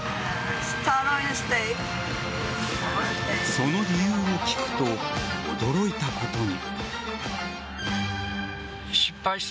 その理由を聞くと驚いたことに。